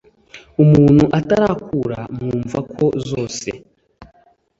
umuntu atarakura mwumva ko zose